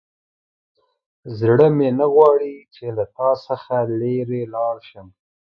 زړه مې نه غواړي چې له تا څخه لیرې لاړ شم.